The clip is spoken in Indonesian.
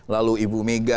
lalu ibu mega